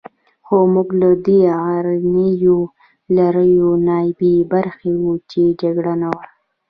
خو موږ له دې غرنیو لړیو نه بې برخې وو، چې جګړه نه وه.